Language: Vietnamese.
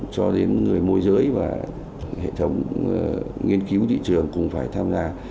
cho đến người môi giới và hệ thống nghiên cứu thị trường bất động sản